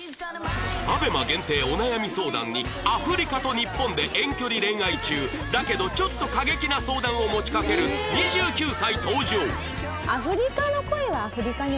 ＡＢＥＭＡ 限定お悩み相談にアフリカと日本で遠距離恋愛中だけどちょっと過激な相談を持ちかける２９歳登場